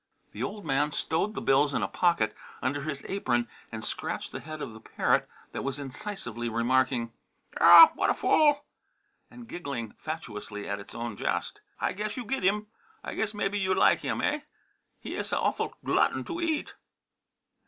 The old man stowed the bills in a pocket under his apron and scratched the head of the parrot that was incisively remarking, "Oh! What a fool!" and giggling fatuously at its own jest. "I guess you giddim. I guess mebbe you lige him, hey! He iss a awful glutton to eat!"